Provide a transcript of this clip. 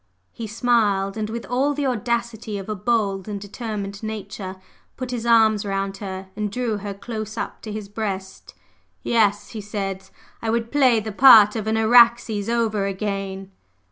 He smiled; and with all the audacity of a bold and determined nature, put his arms round her and drew her close up to his breast. "Yes," he said, "I would play the part of an Araxes over again!"